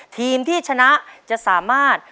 ทีมที่ชนะจะสามารถ